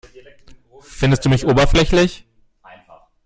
Findest du mich oberflächlich?